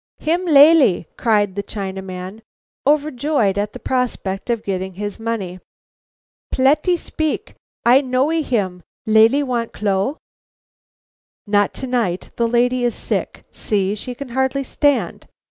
"Him lalee!" cried the Chinaman, overjoyed at the prospect of getting his money. "Pletty speak, I knowee him. Lalee want clo?" "Not to night. The lady is sick; see, she can hardly stand."